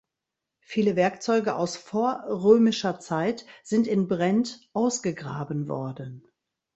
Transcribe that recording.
Viele Werkzeuge aus vorrömischer Zeit sind in Brent ausgegraben worden.